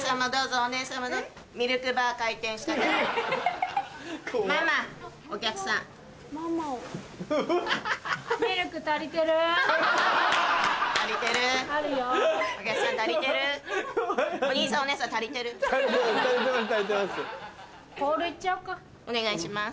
お願いします。